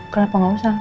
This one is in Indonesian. kenapa gak usah